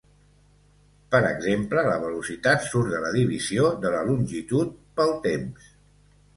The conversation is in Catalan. Per exemple, la velocitat surt de la divisió de la longitud pel temps.